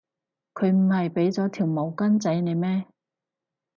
佢唔係畀咗條手巾仔你咩？